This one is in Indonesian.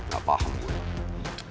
gak paham gue